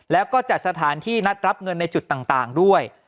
แล้วก็จัดสถานที่นัดรับเงินในจุดต่างด้วย